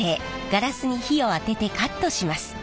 ガラスに火を当ててカットします。